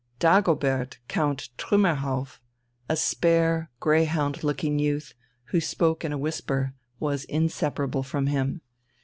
Dagobert Count Trümmerhauff, a spare, greyhound looking youth, who spoke in a whisper, was inseparable from him.